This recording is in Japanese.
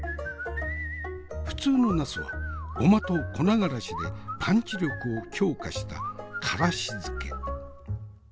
普通のナスはごまと粉辛子でパンチ力を強化した辛子漬け。